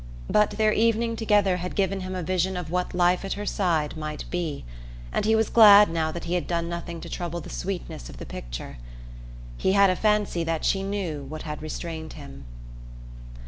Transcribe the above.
But their evening together had given him a vision of what life at her side might be, and he was glad now that he had done nothing to trouble the sweetness of the picture. He had a fancy that she knew what had restrained him...